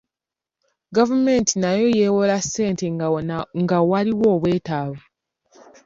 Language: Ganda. Gavumenti nayo yeewola ssente nga waliwo obwetaavu.